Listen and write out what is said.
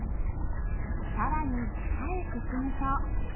さらに地下へ進むと。